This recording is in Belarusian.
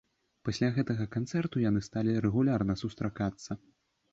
Пасля гэтага канцэрту яны сталі рэгулярна сустракацца.